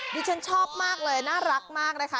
ดิฉันชอบมากเลยน่ารักมากนะคะ